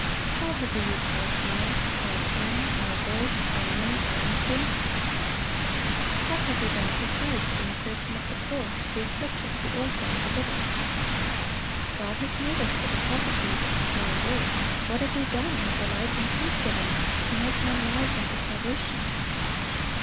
How have we used our time, our pen, our voice, our money, our influence? What have we done for Christ, in the person of the poor, the afflicted, the orphan, or the widow? God has made us the depositaries of His holy word; what have we done with the light and truth given us to make men wise unto salvation?